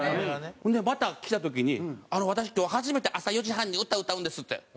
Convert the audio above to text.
ほんでまた来た時に「私今日初めて朝４時半に歌歌うんです」って。